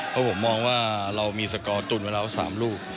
เพราะผมมองว่าเรามีสกอร์ตุนไว้แล้ว๓ลูก